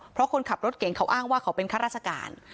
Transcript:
เพราะคนขับรถเก่งเขาอ้างว่าเขาเป็นข้าราชการ